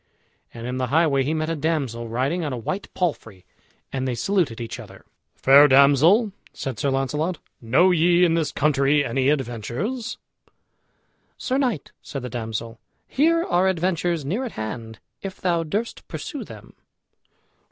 And in the highway he met a damsel riding on a white palfrey, and they saluted each other. "Fair damsel," said Sir Launcelot, "know ye in this country any adventures?" "Sir knight," said the damsel, "here are adventures near at hand, if thou durst pursue them."